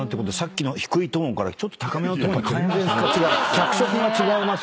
脚色が違いますよね。